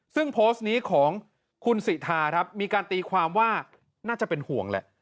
ซึ่งโพสต์นี้ของคุณสิทาครับมีการตีความว่าน่าจะเป็นห่วงแหละ